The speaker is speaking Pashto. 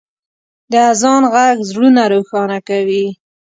د اذان ږغ زړونه روښانه کوي.